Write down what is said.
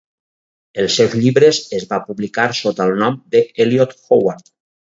Els seus llibres es va publicar sota el nom de "Eliot Howard".